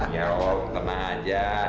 ya om tenang aja